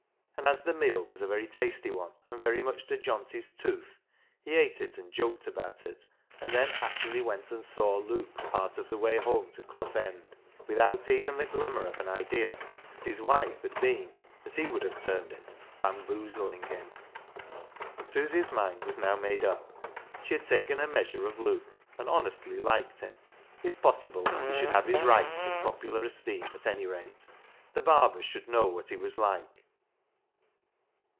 And as the meal was a very tasty one and very much to Johnty's tooth, he ate it and joked about it, and then actually went and saw Luke part of the way home to Clough End without even the glimmer of an idea that his wife had been, as he would have termed it, " bamboozling " him. Susy's mind was now made up. She had taken her measure of Luke, and honestly liked him. If possible, he should have his rights in popular esteem at any rate. The Barbers should know what he was like.